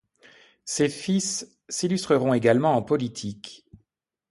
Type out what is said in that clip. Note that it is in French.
Ses fils s'illustreront également en politique.